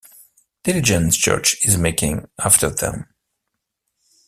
Diligent search is making after them.